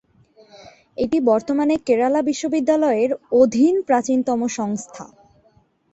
এটি বর্তমানে কেরালা বিশ্ববিদ্যালয়ের অধীন প্রাচীনতম সংস্থা।